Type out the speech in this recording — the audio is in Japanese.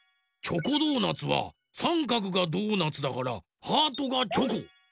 チョコドーナツはさんかくがドーナツだからハートがチョコ。